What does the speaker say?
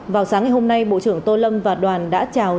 vào sáng ngày hôm nay bộ trưởng tô lâm và đoàn đã chào